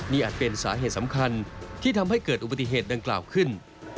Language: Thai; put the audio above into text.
นี่อาจเป็นสาเหตุสำคัญที่ทำให้เกิดอุบัติเหตุดังกล่าวขึ้น